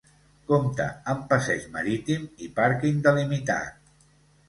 Compta amb passeig marítim i pàrquing delimitat.